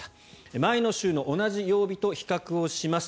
前の週の同じ曜日と比較します。